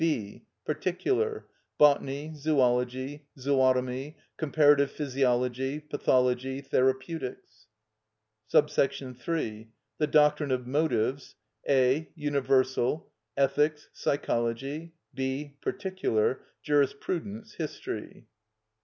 (b.) Particular: Botany, Zoology, Zootomy, Comparative Physiology, Pathology, Therapeutics. 3. The doctrine of motives. (a.) Universal: Ethics, Psychology. (b.) Particular: Jurisprudence, History.